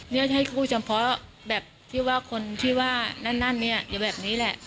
นี่ให้คู่เฉพาะแบบที่ว่าคนที่ว่านั่นเนี่ยอยู่แบบนี้แหละ